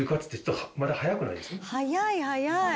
「早い早い！」